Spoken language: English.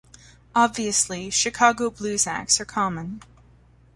Obviously, Chicago blues acts are common.